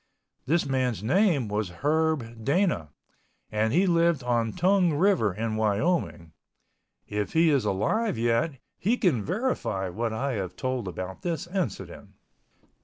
This man's name was Herb Dana, and he lived on Tongue River in Wyoming. If he is alive yet he can verify what I have told about this incident.